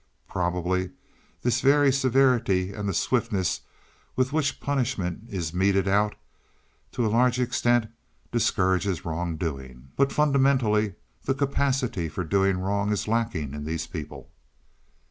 Probably this very severity and the swiftness with which punishment is meted out, to a large extent discourages wrongdoing. But, fundamentally, the capacity for doing wrong is lacking in these people.